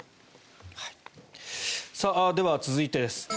では、続いてです。